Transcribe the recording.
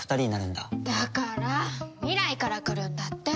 だから未来から来るんだって！